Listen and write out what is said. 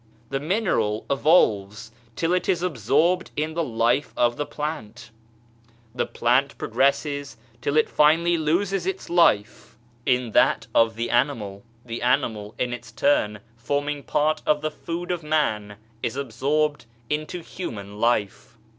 The mineral evolves till it is absorbed in the life of the plant, the plant progresses till finally it loses its life in 84 EVOLUTION OF THE SPIRIT that of the animal ; the animal, in its turn, forming part of the food of man, is absorbed into human life.